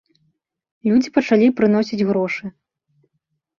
Людзі пачалі прыносіць грошы.